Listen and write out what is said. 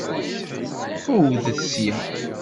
Qewwdet sya!